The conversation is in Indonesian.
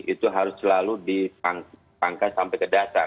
itu harus selalu dipangkas sampai ke dasar